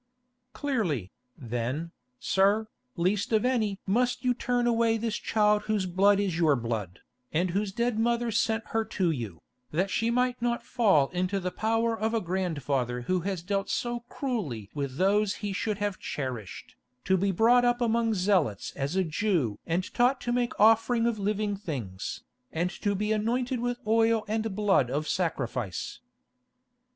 "Clearly, then, sir, least of any must you turn away this child whose blood is your blood, and whose dead mother sent her to you, that she might not fall into the power of a grandfather who has dealt so cruelly with those he should have cherished, to be brought up among Zealots as a Jew and taught to make offering of living things, and be anointed with the oil and blood of sacrifice."